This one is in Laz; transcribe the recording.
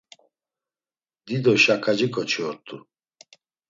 Dido şaǩaci ǩoçi ort̆u.